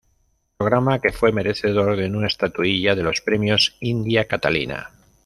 Programa que fue merecedor de una estatuilla de los premios India Catalina.